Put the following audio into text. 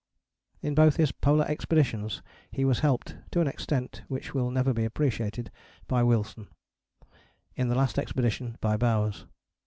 In both his polar expeditions he was helped, to an extent which will never be appreciated, by Wilson: in the last expedition by Bowers.